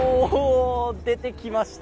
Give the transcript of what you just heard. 出てきました。